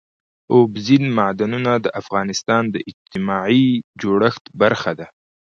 اوبزین معدنونه د افغانستان د اجتماعي جوړښت برخه ده.